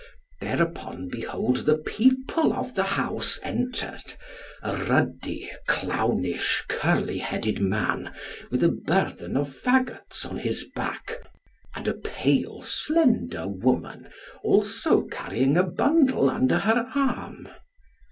Thereupon behold the people of the house entered; a ruddy, clownish curly headed man, with a burthen of fagots on his back, and a pale slender woman, also carrying a bundle under her arm.